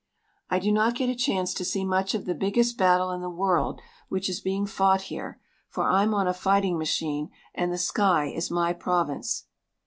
I do not get a chance to see much of the biggest battle in the world which is being fought here, for I'm on a fighting machine and the sky is my province.